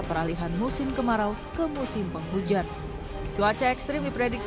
peralihan musim kemarau ke musim penghujan cuaca ekstrim diprediksi